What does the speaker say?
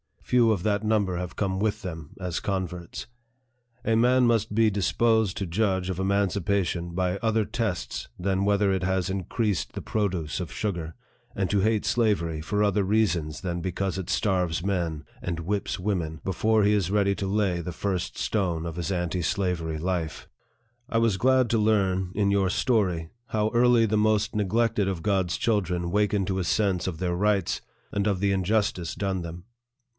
few of that number have come with them, as converts. A man must be disposed to judge of emancipation by other tests than whether it has increased the produce of sugar, and to hate slavery for other reasons than because it starves men and whips women, before he is ready to lay the first stone of his anti slavery life XIV LETTER FROM WENDELL PHILLIPS, ESQ. I was glad to learn, in your story, how early the most neglected of God's children waken to a sense of their rights, and of the injustice done them.